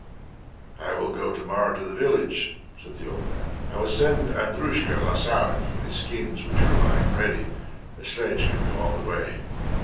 "I will go to morrow to the village," said the old man. "I will send Andryushka Lasaref for the skins which are lying ready; the sledge can go all the way."